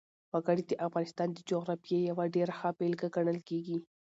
وګړي د افغانستان د جغرافیې یوه ډېره ښه بېلګه ګڼل کېږي.